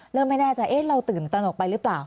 ไม่แน่ใจเราตื่นตนกไปหรือเปล่า